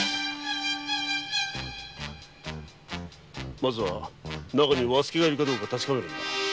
まずはなかに和助がいるかどうか確かめるのだ。